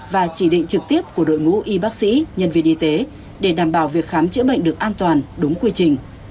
và chỉ định trực tiếp của đội ngũ y bác sĩ nhân viên y tế để đảm bảo việc khám chữa bệnh được an toàn đúng quy trình